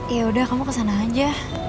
ya udah kamu kesana aja